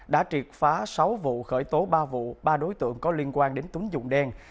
đã triệt phá sáu vụ khởi tố ba vụ ba đối tượng có liên quan đến túng dụng đen